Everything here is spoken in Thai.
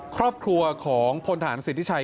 ครอบครัวของพลฐานสิทธิชัย